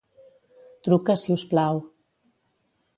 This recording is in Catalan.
Truca, si us plau.